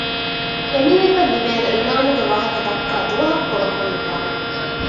އެ މީހަކަށްލިބޭނޭ އިނާމުގެވާހަކަ ދައްކައި ދުވަހަކު ކޮޅަކުންނުލާނެ